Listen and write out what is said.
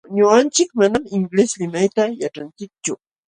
Ñuqanchik manam inglés limayta yaćhanchikchu.